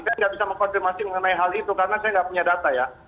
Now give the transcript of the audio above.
saya nggak bisa mengkonfirmasi mengenai hal itu karena saya nggak punya data ya